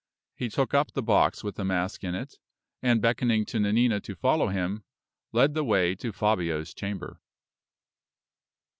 He took up the box with the mask in it, and beckoning to Nanina to follow him, led the way to Fabio's chamber.